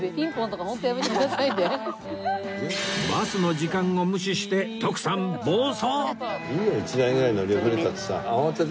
バスの時間を無視して徳さん暴走！